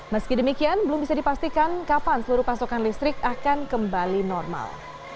meski demikian belum bisa dipastikan kapan seluruh pasokan listrik akan kembali normal